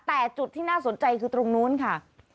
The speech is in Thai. แต่จุดที่น่าสนใจคือตรงนู้นค่ะ